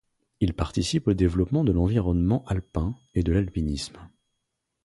Il participe au développement de l'environnement alpin et de l'alpinisme.